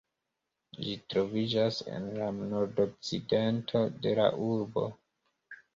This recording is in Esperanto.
Ĝi troviĝas en la nordokcidento de la urbo.